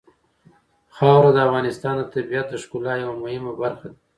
خاوره د افغانستان د طبیعت د ښکلا یوه مهمه برخه ده.